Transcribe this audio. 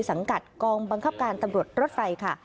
สังกัดกองบังคับการตำรวจรถไฟค่ะ